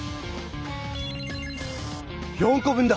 ４こ分だ！